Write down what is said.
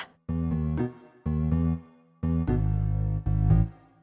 tidak ada yang bisa diberi kesalahan